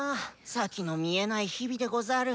先の見えない日々でござる。